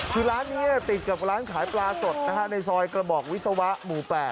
คือร้านนี้ติดกับร้านขายปลาสดในซอยกระบอกวิศวะหมู่๘